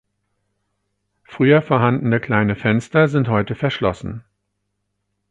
Früher vorhandene kleine Fenster sind heute verschlossen.